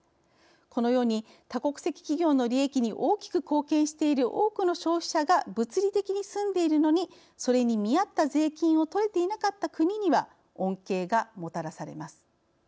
このように、多国籍企業の利益に大きく貢献している多くの消費者が物理的に住んでいるのにそれに見合った税金を取れていなかった国には恩恵がもたらされます。